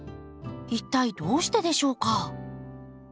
一体どうしてでしょうか？